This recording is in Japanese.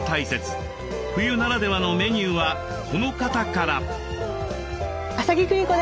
冬ならではのメニューはこの方から。